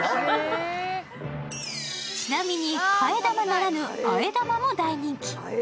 ちなみに、替え玉ならぬ和え玉も大人気。